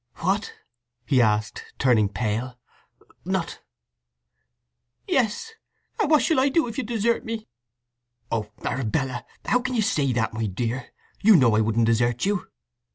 "What?" he asked, turning pale. "Not…?" "Yes! And what shall I do if you desert me?" "Oh, Arabella—how can you say that, my dear! You know I wouldn't desert you!"